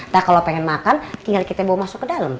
nah kalau pengen makan tinggal kita bawa masuk ke dalam